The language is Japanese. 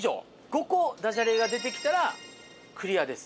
５個ダジャレが出てきたらクリアです。